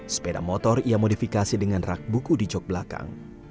sepeda motor ia modifikasi dengan rak buku di jok belakang